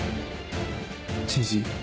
知事。